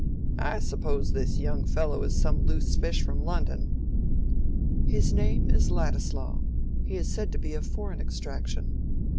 I suppose this young fellow is some loose fish from London." "His name is Ladislaw. He is said to be of foreign extraction."